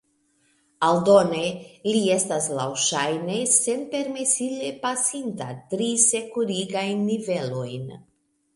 Aldone li estas laŭŝajne senpermesile pasinta tri sekurigajn nivelojn.